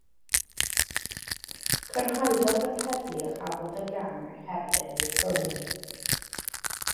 Cyrhaeddodd yr heddlu a chafodd y gang eu herlyn i'r llwyni.